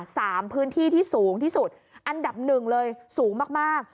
พื้นที่ที่สูงที่สุดอันดับหนึ่งเลยสูงมากมาก